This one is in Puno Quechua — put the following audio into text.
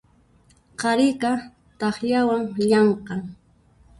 Qhariqa takllawan llamk'an.